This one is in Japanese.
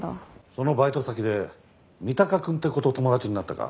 そのバイト先で三鷹くんって子と友達になったか？